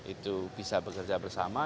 itu bisa bekerja bersama